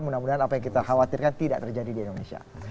mudah mudahan apa yang kita khawatirkan tidak terjadi di indonesia